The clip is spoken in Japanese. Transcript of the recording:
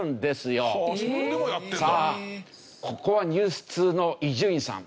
さあここはニュース通の伊集院さん。